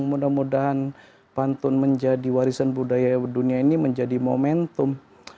mudah mudahan pantun menjadi warisan budaya dunia ini menjadi momentum